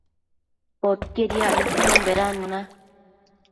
Poquied yacmishun bedannuna